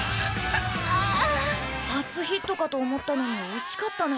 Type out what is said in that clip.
初ヒットかと思ったのに惜しかったね。